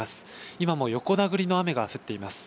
今も横殴りの雨が降っています。